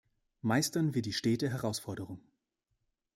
Meistern wir die stete Herausforderung.